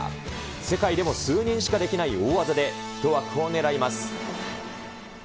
世界でも数人しかできない大技で、１枠を狙います。